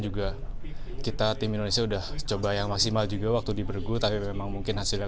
juga kita tim indonesia udah coba yang maksimal juga waktu di bergu tapi memang mungkin hasilnya